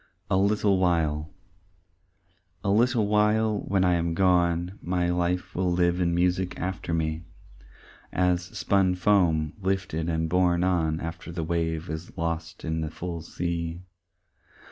"A Little While" A little while when I am gone My life will live in music after me, As spun foam lifted and borne on After the wave is lost in the full sea.